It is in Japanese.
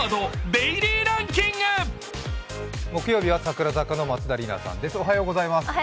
木曜日は櫻坂の松田里奈さんです。